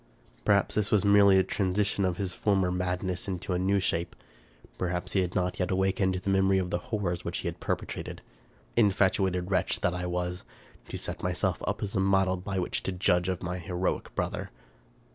Perhaps this was merely a transition of his former mad 29J5 American Mystery Stories ness into a new shape. Perhaps he had not yet awakened to the memory of the horrors which he had perpetrated. Infatuated wretch that I was ! To set myself up as a model by which to judge of my heroic brother